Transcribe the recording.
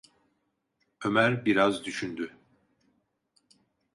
Ömer biraz düşündü.